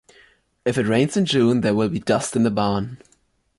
If it rains in June, there will be dust in the barn.